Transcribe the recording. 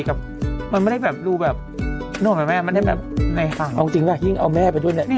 กับมันไม่ได้แบบรู้แบบแม่มันได้แบบเอาจริงว่ายิ่งเอาแม่ไปด้วยเนี้ย